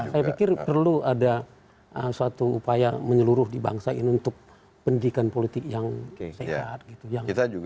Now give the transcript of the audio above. saya pikir perlu ada suatu upaya menyeluruh di bangsa ini untuk pendidikan politik yang sehat gitu